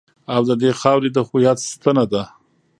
او د دې خاورې د هویت ستنه ده.